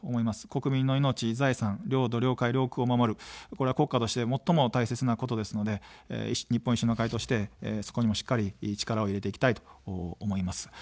国民の命、財産、領土、領海、領空を守る、これは国家として最も大切なことですので、日本維新の会としてそこにもしっかり力を入れていきたいと思います。